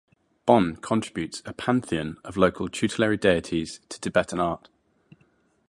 Bon contributes a pantheon of local tutelary deities to Tibetan art.